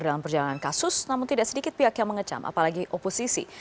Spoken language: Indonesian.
dalam perjalanan kasus namun tidak sedikit pihak yang mengecam apalagi oposisi